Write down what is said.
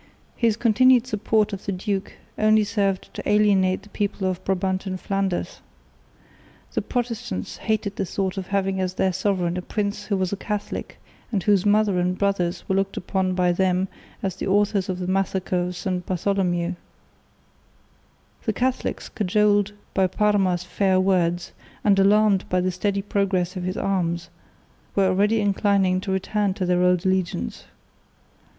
His continued support of the duke only served to alienate the people of Brabant and Flanders. The Protestants hated the thought of having as their sovereign a prince who was a Catholic and whose mother and brothers were looked upon by them as the authors of the massacre of St Bartholomew. The Catholics, cajoled by Parma's fair words, and alarmed by the steady progress of his arms, were already inclining to return to their old allegiance.